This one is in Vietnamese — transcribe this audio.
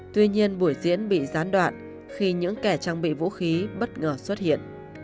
tuy nhiên buổi diễn bị gián đoạn khi những kẻ trang bị vũ khí bất ngờ xuất hiện